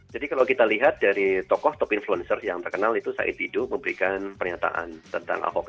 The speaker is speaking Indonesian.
jadi kalau kita lihat dari tokoh top influencer yang terkenal itu said didu memberikan pernyataan tentang ahok